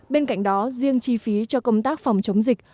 bên cạnh đó riêng chi phí cho công tác phòng chống dịch